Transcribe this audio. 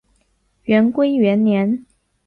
元龟元年。